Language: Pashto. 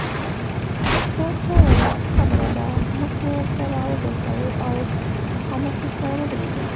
ما ورته وویل څه خبره ده، مخ مې ورته راوګرځاوه او مخامخ ورسره ودرېدم.